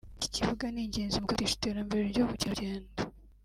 Iki kibuga ni ingenzi mu kwihutisha iterambere ry’ubukerarugendo